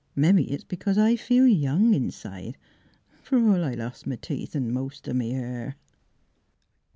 Mebbe it's because I feel young inside, fer all I lost m' teeth an' most o' m' hair.